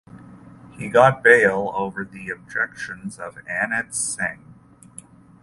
He got bail over the objections of Anand Singh.